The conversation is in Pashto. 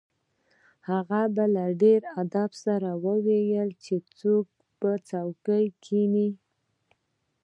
هغه په ډیر ادب سره وویل چې په څوکۍ کښیني